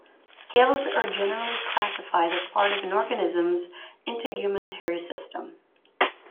Scales are generally classified as part of an organism's integumentary system.